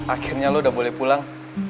akhirnya lo udah boleh pulang